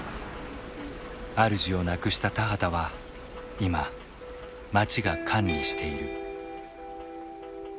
主をなくした田畑は今町が管理している。